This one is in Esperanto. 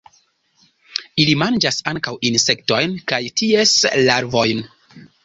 Ili manĝas ankaŭ insektojn kaj ties larvojn.